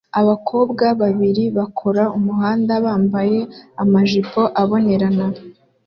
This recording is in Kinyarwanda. Abakobwa babiri bakora umuhanda bambaye amajipo abonerana